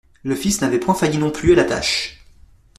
Le fils n'avait point failli non plus à la tâche.